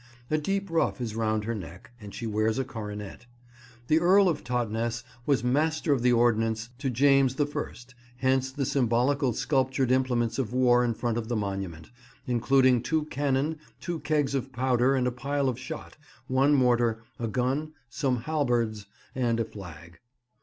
A deep ruff is round her neck, and she wears a coronet. The Earl of Totnes was Master of the Ordnance to James the First; hence the symbolical sculptured implements of war in front of the monument; including two cannon, two kegs of powder and a pile of shot; one mortar, a gun, some halberds and a flag.